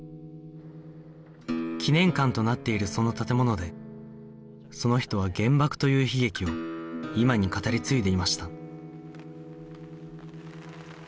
祈念館となっているその建物でその人は原爆という悲劇を今に語り継いでいました